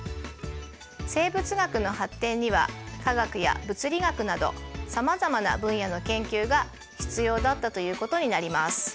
生物学の発展には化学や物理学などさまざまな分野の研究が必要だったということになります。